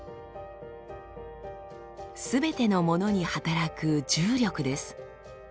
すべてのものに働く「重力」です。